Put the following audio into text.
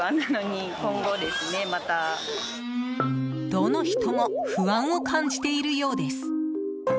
どの人も不安を感じているようです。